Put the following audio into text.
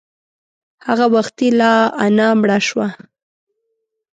هغه وختي لا انا مړه شوه.